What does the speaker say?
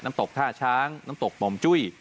น้ำตกท่าช้างน้ำตกหม่อมจุ้ย